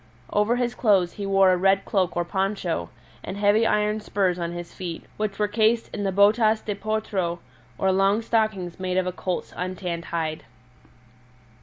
Over his clothes he wore a red cloak or poncho, and heavy iron spurs on his feet, which were cased in the botas de potro, or long stockings made of a colt's untanned hide.